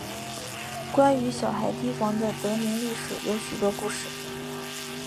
关于小孩堤防的得名历史有许多故事。